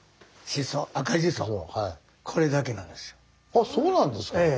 あそうなんですか。